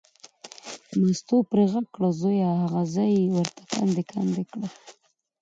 مستو پرې غږ کړ، زویه هغه ځای یې ورته کندې کندې کړ.